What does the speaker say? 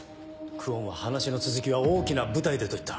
久遠は「話の続きは大きな舞台で」と言った。